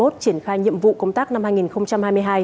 triển khai nhiệm vụ công tác năm hai nghìn hai mươi hai